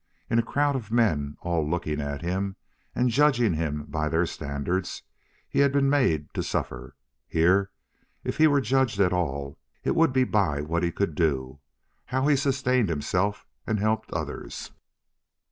In a crowd of men all looking at him and judging him by their standards he had been made to suffer. Here, if he were judged at all, it would be by what he could do, how he sustained himself and helped others.